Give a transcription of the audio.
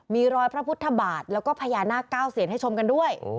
มีรอยพระพุทธบาทแล้วก็พญานาคเก้าเซียนให้ชมกันด้วย